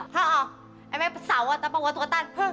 hah emang pesawat apa wat watan